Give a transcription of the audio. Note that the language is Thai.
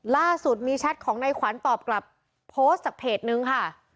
ล่าสุดมีแชทของในขวัญตอบกลับโพสต์จากเพจนึงค่ะ